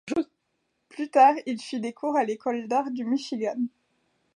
Plus tard, il suit des cours à l'école d'art du Michigan.